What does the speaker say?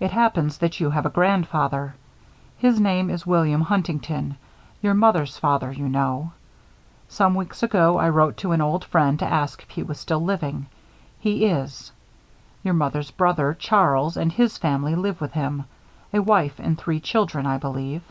It happens that you have a grandfather. His name is William Huntington your mother's father, you know. Some weeks ago I wrote to an old friend to ask if he were still living. He is. Your mother's brother Charles and his family live with him: a wife and three children, I believe.